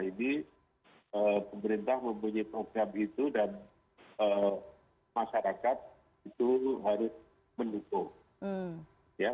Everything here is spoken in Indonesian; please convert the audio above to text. jadi pemerintah mempunyai program itu dan masyarakat itu harus mendukung